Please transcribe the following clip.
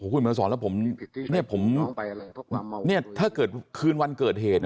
คุณมาสอนแล้วผมถ้าเกิดคืนวันเกิดเหตุ